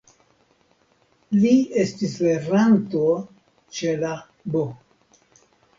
Li estis lernanto ĉe la "B.